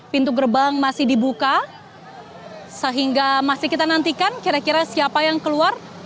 pintu gerbang masih dibuka sehingga masih kita nantikan kira kira siapa yang keluar